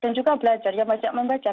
dan juga belajar ya banyak membaca